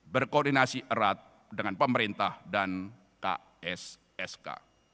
berkoordinasi erat dengan pemerintah dan kssk